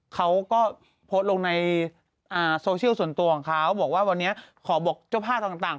เขาก็โพสต์ลงในโซเชียลส่วนตัวของเขาบอกว่าวันนี้ขอบอกเจ้าภาพต่าง